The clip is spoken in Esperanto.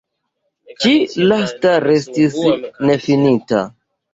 Ĉi lasta restis nefinita.